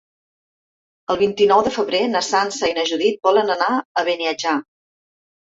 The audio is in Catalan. El vint-i-nou de febrer na Sança i na Judit volen anar a Beniatjar.